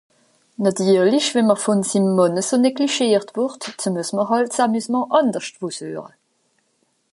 Nàtirlich, wenn m’r vùn sim Mànn eso neglischiert wùrd, ze muess m’r hàlt ’s Amusement àndersch wo sueche.